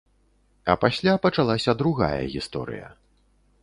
А пасля пачалася другая гісторыя.